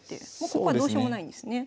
ここはどうしようもないんですね。